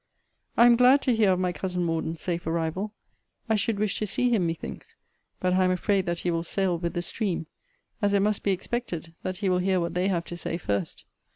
I am glad to hear of my cousin Morden's safe arrival. I should wish to see him methinks: but I am afraid that he will sail with the stream; as it must be expected, that he will hear what they have to say first.